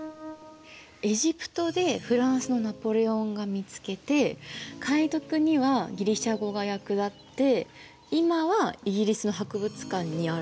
エジプトでフランスのナポレオンが見つけて解読にはギリシア語が役立って今はイギリスの博物館にある。